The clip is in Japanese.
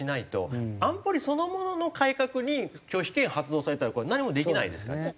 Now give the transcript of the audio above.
安保理そのものの改革に拒否権発動されたらこれ何もできないですから。